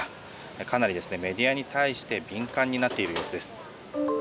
かなりメディアに対して敏感になっている様子です。